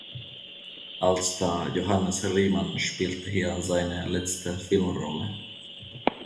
Altstar Johannes Riemann spielte hier seine letzte Filmrolle.